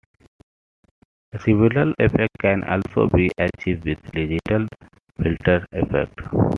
Similar effects can also be achieved with digital filter effects.